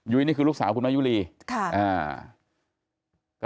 ยุ้ยยยนี่คือลูกสาวคุณมายุรีย์ส่งอ่ะ